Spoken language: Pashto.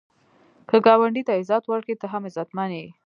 که ګاونډي ته عزت ورکړې، ته هم عزتمن یې